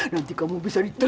nanti kamu bisa ditergantan